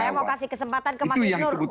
saya mau kasih kesempatan ke mas isnur